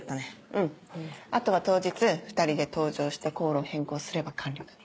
うんあとは当日２人で搭乗して航路を変更すれば完了だね。